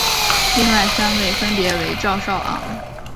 另外三位分别为赵少昂。